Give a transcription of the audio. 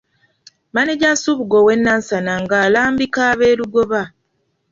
Maneja Nsubuga ow'e Nansana ng'alambika ab'e Lugoba.